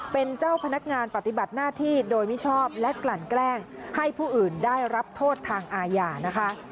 เป็นเจ้าพนักงานปฏิบัติหน้าที่โดยมิชอบและกลั่นแกล้งให้ผู้อื่นได้รับโทษทางอาญานะคะ